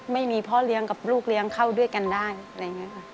ไม่มีพ่อเลี้ยงกับลูกเลี้ยงเข้าด้วยกันได้